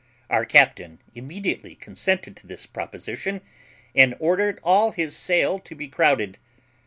Our captain immediately consented to this proposition, and ordered all his sail to be crowded.